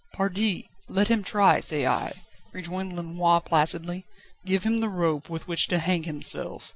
"Pardi! let him try, say I," rejoined Lenoir placidly. "Give him the rope with which to hang himself."